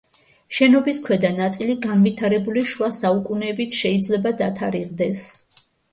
შენობის ქვედა ნაწილი განვითარებული შუა საუკუნეებით შეიძლება დათარიღდეს.